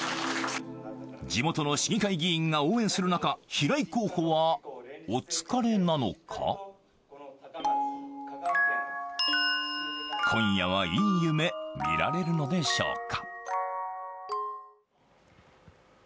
地元の市議会議員が応援する中平井候補はお疲れなのか今夜はいい夢、見られるのでしょうか。